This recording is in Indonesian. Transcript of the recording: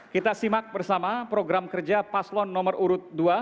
kita simak bersama program kerja paslon nomor urut dua